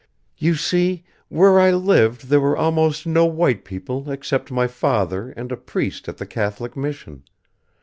You see, where I lived there were almost no white people except my father and a priest at the Catholic mission.